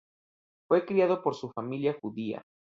Fue criado por su familia judía.